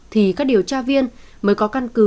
thì các điều tra viên mới có căn cứ